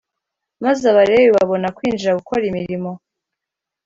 maze abalewi babona kwinjira gukora imirimo